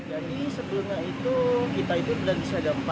jadi sebelumnya itu kita itu berada di siaga empat